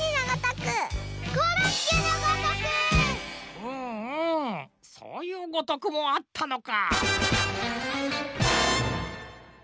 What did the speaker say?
うんうんそういう「ごとく」もあったのか。